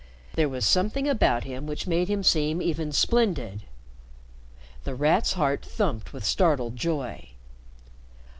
There was something about him which made him seem even splendid. The Rat's heart thumped with startled joy.